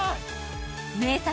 名作